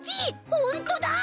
ほんとだ！